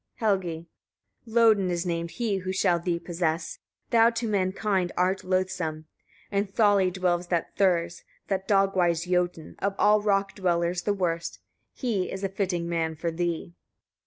Helgi. 25. Lodin is named he who shall thee possess, thou to mankind art loathsome. In Tholley dwells that Thurs, that dog wise Jotun, of all rock dwellers the worst: he is a fitting man for thee.